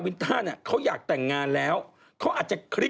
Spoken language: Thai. มีเซ็นอยู่หรอ